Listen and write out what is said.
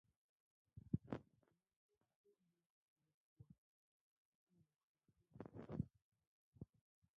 Mentúʼ péli lekùɔ ée nkÿo tʉ̂a.